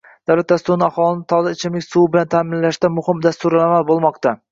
Davlat dasturi aholini toza ichimlik suvi bilan ta’minlashda muhim dasturilamal bo‘lmoqda